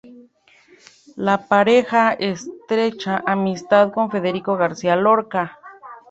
La pareja estrecha amistad con Federico García Lorca.